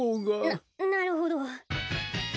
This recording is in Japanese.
ななるほど。